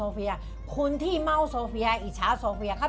เลิกกับผัวก็คุยกับหลวงพ่อ